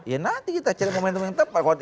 ya nanti kita cari momentum yang tepat